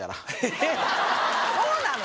そうなの？